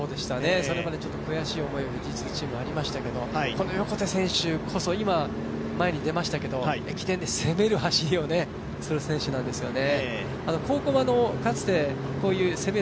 それまでちょっと悔しい思いを富士通チームはありましたけど、この横手選手こそ今、前に出ましたけど駅伝で攻める走りをする選手なんですよね。